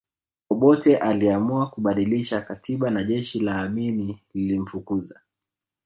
Obote aliamua kubadilisha katiba na jeshi la Amini lilimfukuza